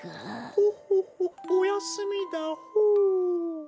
ホッホッホッおやすみだホー。